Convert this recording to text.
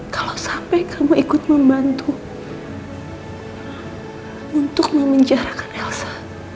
kalau sampai kamu ikut membantu untuk memenjarakan elsa